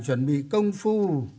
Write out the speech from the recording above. chuẩn bị công phu